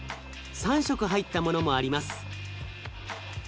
三色入ったものもあります。